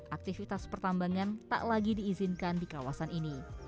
aktivitas pertambangan tak lagi diizinkan di kawasan ini